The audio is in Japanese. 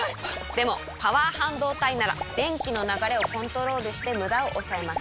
でもパワー半導体なら電気の流れをコントロールしてムダを抑えます。